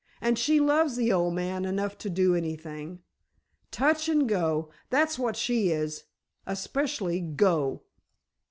And she loves the old man enough to do anything. Touch and go—that's what she is! Especially go!"